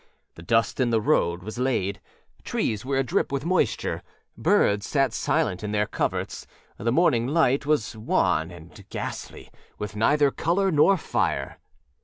The dust in the road was laid; trees were adrip with moisture; birds sat silent in their coverts; the morning light was wan and ghastly, with neither color nor fire.